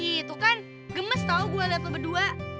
itu kan gemes tau gue liat lu berdua